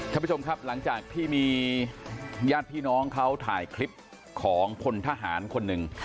ท่านผู้ชมครับหลังจากที่มีญาติพี่น้องเขาถ่ายคลิปของพลทหารคนหนึ่ง